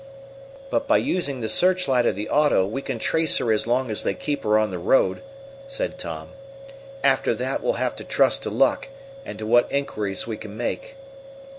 "But by using the searchlight of the auto we can trace her as long as they keep her on the road," said Tom. "After that we'll have to trust to luck, and to what inquiries we can make."